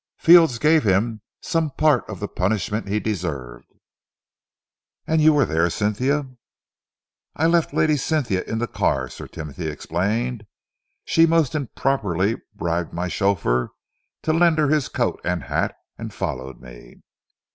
Fields gave him some part of the punishment he deserved." "And you were there, Cynthia?" "I left Lady Cynthia in the car," Sir Timothy explained. "She most improperly bribed my chauffeur to lend her his coat and hat, and followed me."